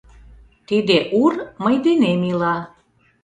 Тиде Ур мый денем ила.